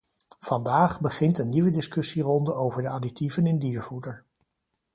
Vandaag begint een nieuwe discussieronde over de additieven in diervoeder.